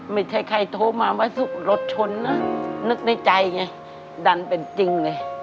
ไม่ใช่ใครโทรมาว่ารถชนนะนึกในใจไงดันเป็นจริงเลย